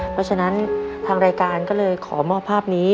เพราะฉะนั้นทางรายการก็เลยขอมอบภาพนี้